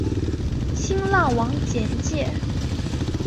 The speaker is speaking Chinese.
新浪网简介